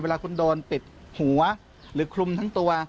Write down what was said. เวลาคุณโดนปิดหัวหรือคลุมทั้งตัว